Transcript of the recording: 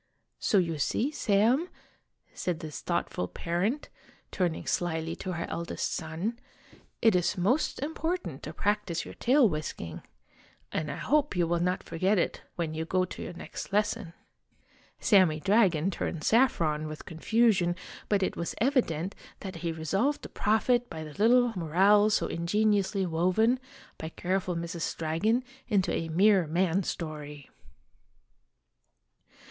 So you see, Sam," said this thoughtful parent, turning slyly to her eldest son, "it is most important to practise your tail whisking and I hope you will not forget it when you go to your next lesson." Sammy Dragon turned saffron with confusion, but it was evi dent that he resolved to profit by the little moral so ingeniously woven, by careful Mrs. Dragon, into a mere man story.